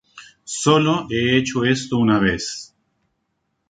Sólo he hecho esto una vez.